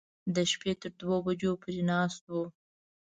د شپې تر دوو بجو پورې ناست و.